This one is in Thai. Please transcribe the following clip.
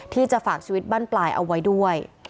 ที่จะฝากชีวิตบ้านปลายเอาไว้ด้วย